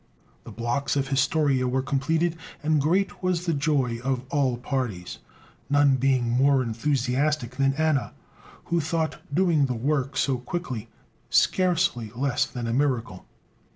The blocks of the "Historia" were completed, and great was the joy of all parties, none being more enthusiastic than Anna, who thought doing the work so quickly, scarcely less than a miracle.